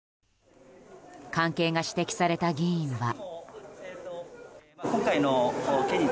関係が指摘された議員は。